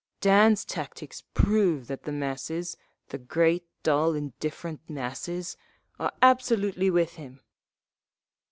"Dan's tactics prove that the masses—the great, dull, indifferent masses—are absolutely with him!"